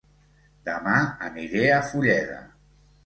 Dema aniré a Fulleda